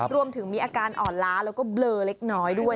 รวมถึงมีอาการอ่อนล้าแล้วก็เบลอเล็กน้อยด้วย